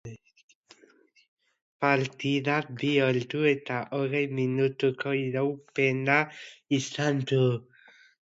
Partidak bi ordu eta hogei minutuko iraupena izan du.